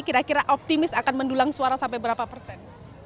kira kira optimis akan mendulang suara sampai berapa persen